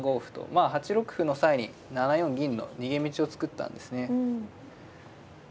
まあ８六歩の際に７四銀の逃げ道を作ったんですね。